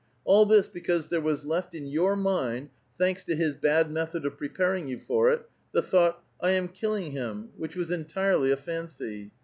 Ail this because there was left iu your mind, thanks to his bad method of preparing you for it, the thought, ^1 am killing him,' which was entirely a fancy.